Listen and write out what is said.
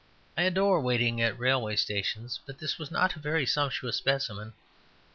I adore waiting at railway stations, but this was not a very sumptuous specimen.